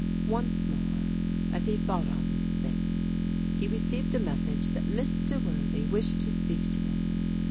Once more as he thought on these things he re ceived a message that Mr. Worthy wished to speak to him.